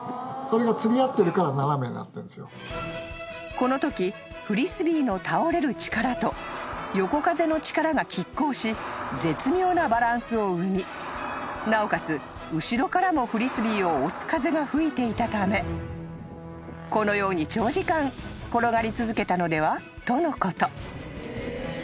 ［このときフリスビーの倒れる力と横風の力が拮抗し絶妙なバランスを生みなおかつ後ろからもフリスビーを押す風が吹いていたためこのように長時間転がり続けたのでは？とのこと］